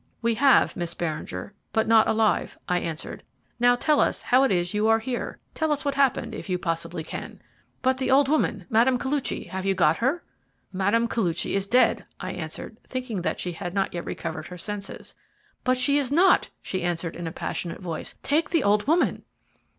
"We have, Miss Beringer, but not alive," I answered. "Now tell us how it is you are here. Tell us what has happened, if you possibly can." "But the old woman Mme. Koluchy have you got her?" "Mme. Koluchy is dead!" I answered, thinking that she had not yet recovered her senses. "But she is not!" she answered, in a passionate voice. "Take the old woman."